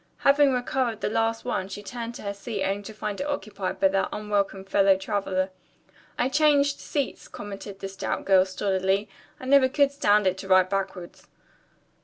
Having recovered the last one she turned to her seat only to find it occupied by their unwelcome fellow traveler. "I changed seats," commented the stout girl stolidly. "I never could stand it to ride backwards."